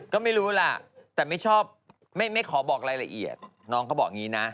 ก็ไม่รู้ล่ะแต่ไม่ชอบไม่ขอบอกรายละเอียดน้องเขาบอกอย่างนี้นะ